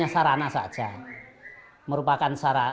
dan bermana dua orang saja berpalan yang orang tiga